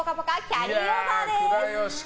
キャリーオーバー。